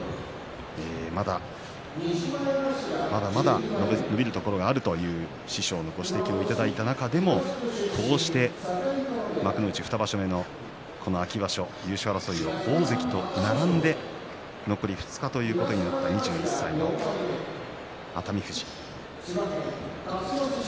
まだまだ伸びるところがあるという師匠のご指摘をいただいた中でもこうして幕内２場所目のこの秋場所、優勝争い、大関と並んで残り２日ということになった２１歳の熱海富士。